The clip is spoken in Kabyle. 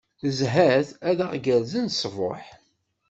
Zhat ad aɣ-gerzen ṣṣbuḥ.